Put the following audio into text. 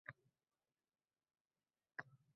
Boshqa yo`l bilan tirik qolish imkoni yo`q